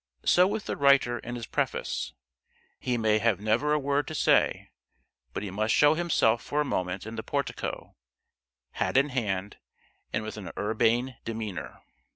So with the writer in his preface: he may have never a word to say, but he must show himself for a moment in the portico, hat in hand, and with an urbane demeanour.